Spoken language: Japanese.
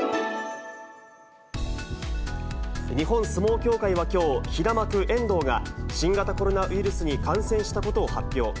日本相撲協会はきょう、平幕・遠藤が、新型コロナウイルスに感染したことを発表。